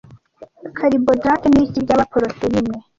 Carbohydrates ni iki bya poroteyine